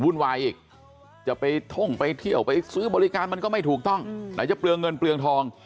วุ่นวายอีกจะไปท่องไปเที่ยวไปซื้อบริการมันก็ไม่ถูกต้องไหนจะเปลืองเงินเปลืองทอง